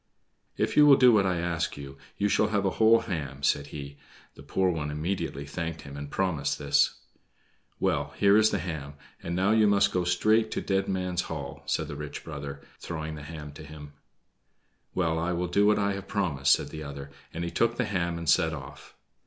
"If you will do what I ask you, you shall have a whole ham," said he. The poor one immediately thanked him and promised this. "Well, here is the ham, and now you must go straight to Dead Man's Hall," said the rich brother, throwing the ham to him. "Well, I will do what I have promised," said the other, and he took the ham and set off.